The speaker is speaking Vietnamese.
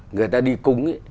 người ta đi cúng